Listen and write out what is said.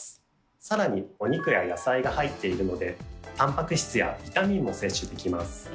更にお肉や野菜が入っているのでタンパク質やビタミンも摂取できます。